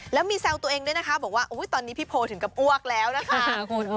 แล้วมีแซวตัวเองด้วยนะคะบอกว่าตอนนี้พี่โพถึงกับอ้วกแล้วนะคะ